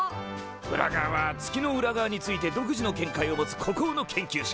ウラガワは月の裏側について独自の見解を持つ孤高の研究者。